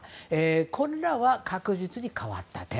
これらは確実に変わった点。